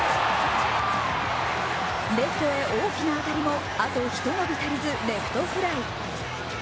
レフトへ大きな当たりもあとひと伸びたりずレフトフライ。